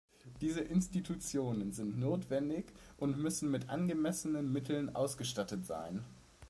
Diese Institutionen sind notwendig und müssen mit angemessenen Mitteln ausgestattet sein.